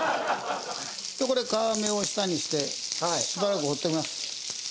でこれ皮目を下にしてしばらく放っておきます。